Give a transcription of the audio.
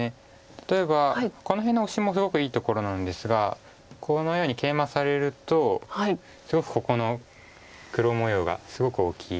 例えばこの辺のオシもすごくいいところなんですがこのようにケイマされるとすごくここの黒模様がすごく大きい。